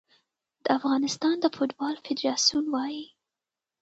د افغانستان د فوټبال فدراسیون وايي